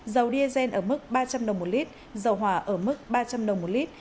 dầu diesel ở mức ba trăm linh đồng một lít dầu hỏa ở mức ba trăm linh đồng một lít